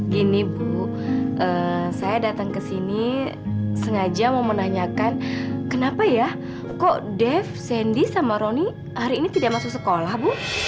gini bu saya datang ke sini sengaja mau menanyakan kenapa ya kok dev sandy sama roni hari ini tidak masuk sekolah bu